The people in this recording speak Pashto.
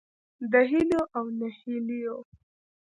د هیلو او نهیلیو